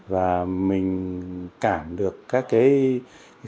và mình cảm được các cái